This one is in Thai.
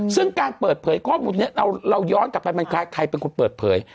ซึ่งการเปิดเผยข้อมูลนี้เราย้อนกลับไปมันใครเป็นคนเปิดเผย